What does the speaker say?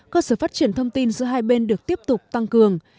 cơ sở phát triển thông tin giữa hai bên được tiếp tục tăng cường